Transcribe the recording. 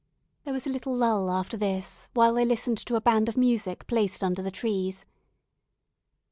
There was a little lull after this, while they listened to a band of music placed under the trees.